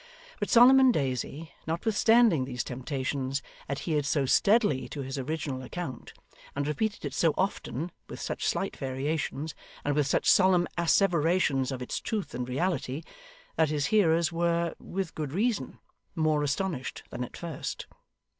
But Solomon Daisy, notwithstanding these temptations, adhered so steadily to his original account, and repeated it so often, with such slight variations, and with such solemn asseverations of its truth and reality, that his hearers were (with good reason) more astonished than at first.